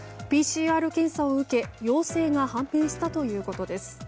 ＰＣＲ検査を受け陽性が判明したということです。